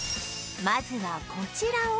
まずはこちらを